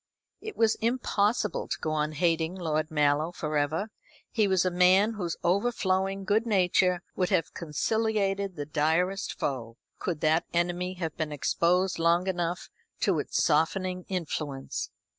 It was impossible to go on hating Lord Mallow for ever. He was a man whose overflowing good nature would have conciliated the direst foe, could that enemy have been exposed long enough to its softening influence.